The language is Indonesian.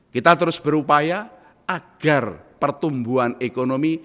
kita terus berupaya agar pertumbuhan ekonomi